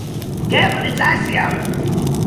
Careful, it's icy out.